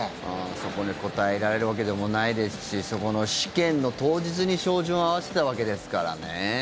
そこに応えられるわけでもないですしそこの試験の当日に照準を合わせていたわけですからね。